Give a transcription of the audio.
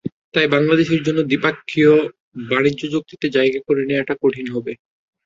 তাই বাংলাদেশের জন্য দ্বিপক্ষীয় বাণিজ্য চুক্তিতে জায়গা করে নেওয়াটা কঠিন হবে।